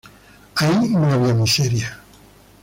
Ahí no había miseria.